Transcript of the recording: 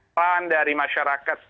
tahan dari masyarakat